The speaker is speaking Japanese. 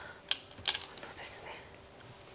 本当ですね。